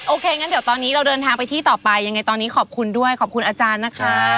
งั้นเดี๋ยวตอนนี้เราเดินทางไปที่ต่อไปยังไงตอนนี้ขอบคุณด้วยขอบคุณอาจารย์นะคะ